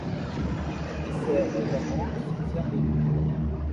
Elle dessert notamment le cimetière Bellu.